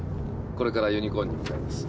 これからユニコーンに向かいます。